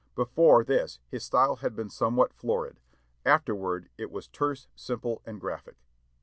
Before this his style had been somewhat florid; afterward it was terse, simple, and graphic.